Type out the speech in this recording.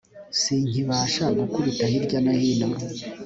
sinkibasha gukubita hirya no hino,